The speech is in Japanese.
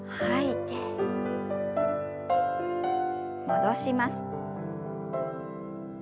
戻します。